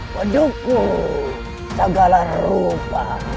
pedukuh segala rupa